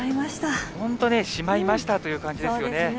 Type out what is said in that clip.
本当ね、しまいましたという感じですよね。